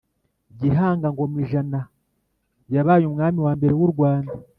Gihanga ngoma ijana yabaye umwami wambere w’u Rwanda